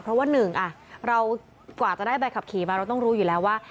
เพราะว่าหนึ่งเรากว่าจะได้ใบขับขี่มาเราต้องรู้อยู่แล้วว่า